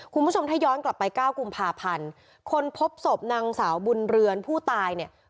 คุณผู้ชมถ้าย้อนกลับไปเก้ากุมภาพันธ์คนพบศพนางสาวบุญเรือนผู้ตายเนี่ย